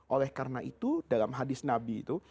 oleh karena itu dalam hadis nabi itu